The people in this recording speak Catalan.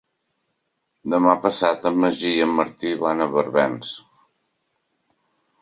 Demà passat en Magí i en Martí van a Barbens.